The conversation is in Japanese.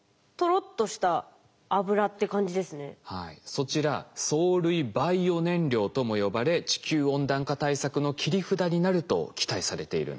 そちら藻類バイオ燃料とも呼ばれ地球温暖化対策の切り札になると期待されているんです。